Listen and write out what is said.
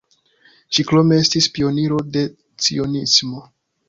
Ŝi krome estis pioniro de cionismo.